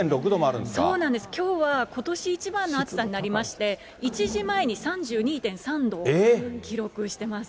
そうなんです、きょうはことし一番の暑さになりまして、１時前に３２．３度を記録してます。